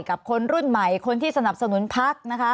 กับคนรุ่นใหม่คนที่สนับสนุนพักนะคะ